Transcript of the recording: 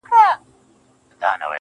بېزاره به سي خود يـــاره له جنگه ككـرۍ~